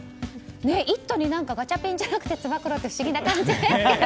「イット！」にガチャピンじゃなくてつば九郎って不思議な感じですけど。